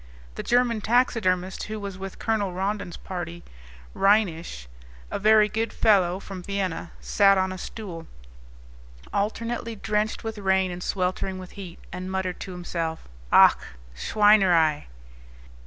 The German taxidermist who was with Colonel Rondon's party, Reinisch, a very good fellow from Vienna, sat on a stool, alternately drenched with rain and sweltering with heat, and muttered to himself: "Ach, Schweinerei!"